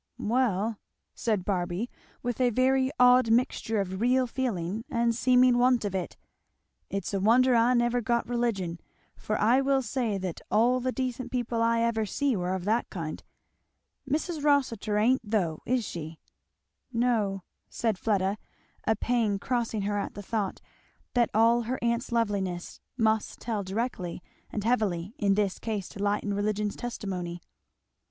"Well," said Barby with a very odd mixture of real feeling and seeming want of it, "it's a wonder I never got religion, for I will say that all the decent people I ever see were of that kind! Mis' Rossitur ain't though, is she?" "No," said Fleda, a pang crossing her at the thought that all her aunt's loveliness must tell directly and heavily in this case to lighten religion's testimony.